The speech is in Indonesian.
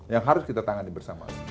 yang harus kita tangani bersama